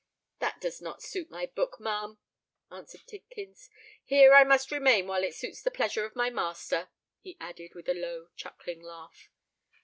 "That does not suit my book, ma'am," answered Tidkins. "Here I must remain while it suits the pleasure of my master," he added, with a low chuckling laugh.